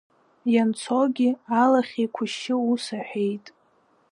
Ианцогьы алахь еиқәышьшьы ус аҳәеит…